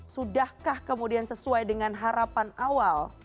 sudahkah kemudian sesuai dengan harapan awal